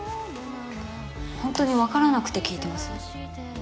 本当にわからなくて聞いてます？